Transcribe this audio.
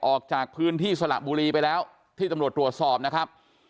ออกจากพื้นที่สละบุรีไปแล้วที่ตำรวจตรวจสอบนะครับ